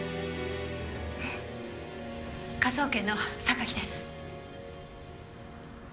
えっ？科捜研の榊です。